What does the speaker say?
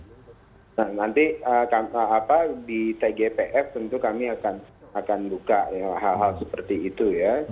nah nanti di tgpf tentu kami akan buka hal hal seperti itu ya